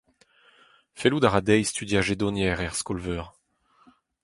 Fellout a ra dezhi studiañ jedoniezh er skol-veur.